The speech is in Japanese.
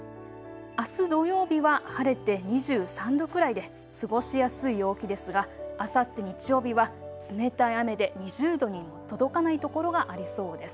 あす土曜日は晴れて２３度くらいで過ごしやすい陽気ですがあさって日曜日は冷たい雨で２０度に届かない所がありそうです。